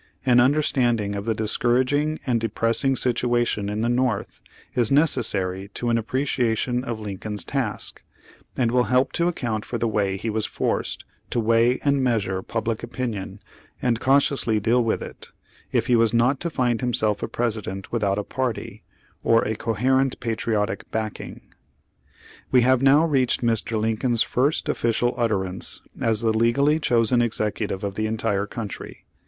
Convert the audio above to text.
An understanding of the dis couraging and depressing situation in the North, is necessary to an appreciation of Lincoln's task, and will help to account for the way he was forced to weigh and measure public opinion, and cau tiously deal with it, if he was not to find himself a President without a party, or a coherent patri otic backing. We have now reached Mr. Lincoln's first official utterance as the legally chosen executive of the entire country.